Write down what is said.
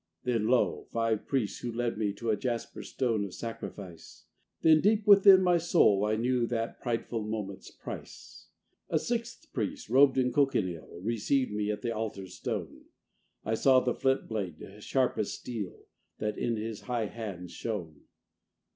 When, lo! five priests, who led me to A jasper stone of sacrifice! Then deep within my soul I knew That prideful moment's price. A sixth priest, robed in cochineal, Received me at the altar's stone: I saw the flint blade, sharp as steel, That in his high hand shone.